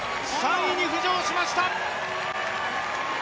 ３位に浮上しました。